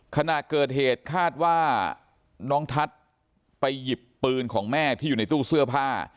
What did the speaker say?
ขณะเกิดเหตุคาดว่าน้องทัศน์ไปหยิบปืนของแม่ที่อยู่ในตู้เสื้อผ้า